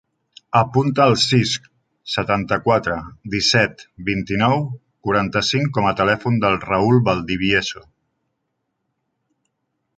Apunta el sis, setanta-quatre, disset, vint-i-nou, quaranta-cinc com a telèfon del Raül Valdivieso.